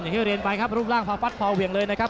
อย่างที่เรียนไปครับรูปร่างพอฟัดพอเหวี่ยงเลยนะครับ